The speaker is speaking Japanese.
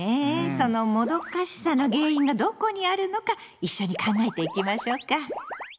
そのもどかしさの原因がどこにあるのか一緒に考えていきましょうか。